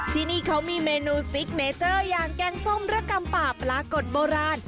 ที่นี่เขามีเมนูซิกเนเจอร์อย่างแกงส้มระกำป่าปลากดโบราณ